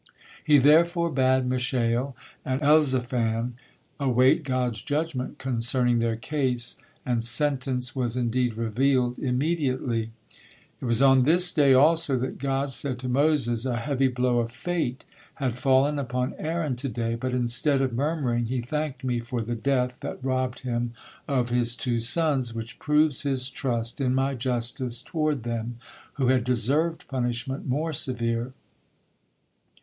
He therefore bade Mishael and Elzaphan await God's judgement concerning their case, and sentence was indeed revealed immediately. It was on this day also that God said to Moses: "A heavy blow of fate had fallen upon Aaron to day, but instead of murmuring he thanked Me for the death that robbed him of his two sons, which proves his trust in My justice toward them, who had deserved punishment more severe.